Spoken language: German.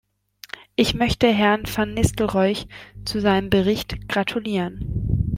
Ich möchte Herrn van Nistelrooij zu seinem Bericht gratulieren.